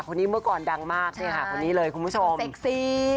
คนนี้เมื่อก่อนดังมากเลยค่ะคนนี้เลยคุณผู้ชมใช่ค่ะเส็กซี่